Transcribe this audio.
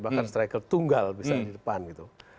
bahkan striker tunggal bisa di depan gitu